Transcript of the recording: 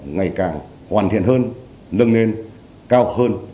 ngày càng hoàn thiện hơn nâng lên cao hơn